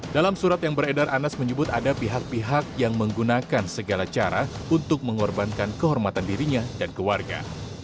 dalam surat yang beredar anas menyebut ada pihak pihak yang menggunakan segala cara untuk mengorbankan kehormatan dirinya dan keluarga